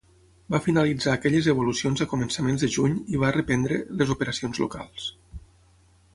Va finalitzar aquelles evolucions a començaments de juny i va reprendre les operacions locals.